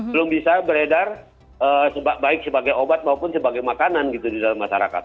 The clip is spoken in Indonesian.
belum bisa beredar baik sebagai obat maupun sebagai makanan gitu di dalam masyarakat